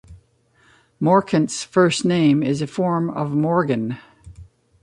Morcant's first name is a form of Morgan.